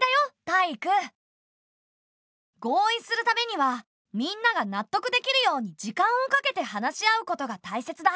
タイイク。合意するためにはみんなが納得できるように時間をかけて話し合うことがたいせつだ。